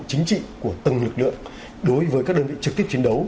chính trị của từng lực lượng đối với các đơn vị trực tiếp chiến đấu